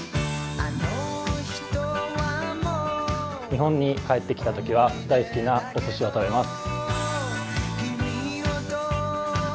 日本に帰ってきたときは、大好きなおすしを食べます。